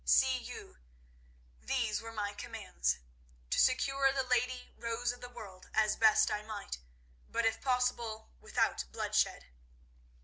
See you, these were my commands: To secure the lady Rose of the World as best I might, but if possible without bloodshed.